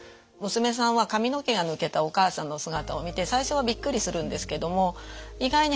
娘さんは髪の毛が抜けたお母さんの姿を見て最初はびっくりするんですけども意外に早く慣れるんですね。